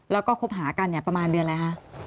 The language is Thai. แล้วก็คบหากันเนี่ยประมาณเดือนอะไรคะ